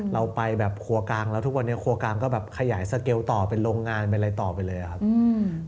เราไปแบบครัวกลางแล้วทุกวันนี้ครัวกลางก็แบบขยายสเกลต่อเป็นโรงงานเป็นอะไรต่อไปเลยครับอืม